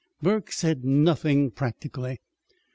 "Burke said nothing, practically.